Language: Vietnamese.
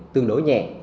tương đối nhẹ